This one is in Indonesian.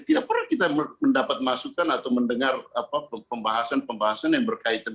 tidak pernah kita mendapat masukan atau mendengar pembahasan pengkajian